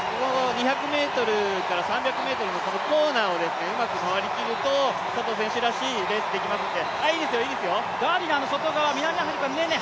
２００ｍから３００ｍのコーナーをうまく回りきると佐藤選手らしいレースできますので。